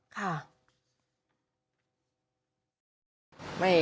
ค่ะ